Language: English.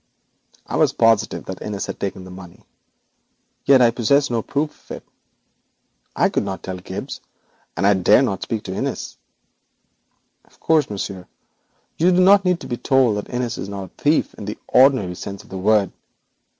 I was positive Innis had taken the money, yet I possessed no proof of it. I could not tell Gibbes, and I dare not speak to Innis. Of course, monsieur, you do not need to be told that Innis is not a thief in the ordinary sense of the word.